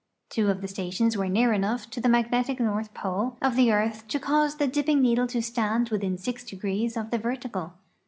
Two of the stations were near enough to the magnetic North Pole of the earth to cause the dipping needle to stand within six degrees of the vertical.